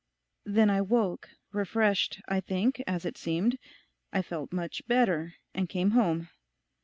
'Then I woke; refreshed, I think, as it seemed—I felt much better and came home.